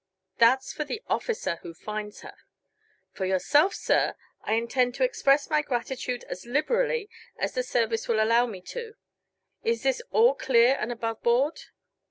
That's for the officer who finds her. For yourself, sir, I intend to express my gratitude as liberally as the service will allow me to. Is this all clear and above board?"